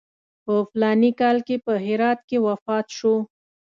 په فلاني کال کې په هرات کې وفات شو.